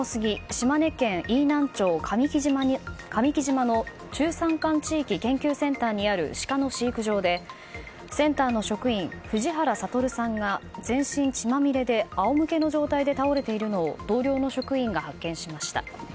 島根県飯南町上来島の中山間地域研究センターにあるシカの飼育場でセンターの職員、藤原悟さんが全身血まみれで仰向けの状態で倒れているのを同僚の職員が発見しました。